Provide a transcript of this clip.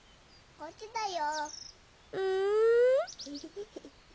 こっちだよ。